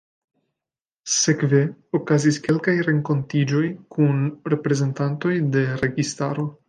Sekve okazis kelkaj renkontiĝoj kun reprezentantoj de registaro.